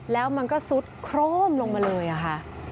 แล้วมันก็ซุดโคร่มลงมาเลยค่ะ